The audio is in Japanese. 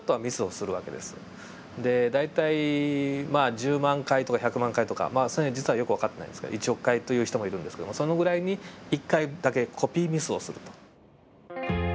大体まあ１０万回とか１００万回とかその辺実はよく分かってないんですけど１億回という人もいるんですけどもそのぐらいに１回だけコピーミスをすると。